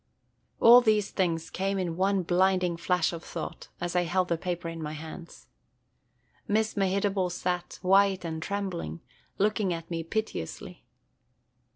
All these things came in one blinding flash of thought as I held the paper in my hands. Miss Mehitable sat, white and trembling, looking at me piteously.